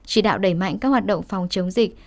chỉ đạo đẩy mạnh các hoạt động phòng chống dịch